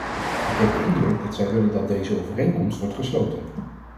Ik heb de indruk dat zij willen dat deze overeenkomst wordt gesloten.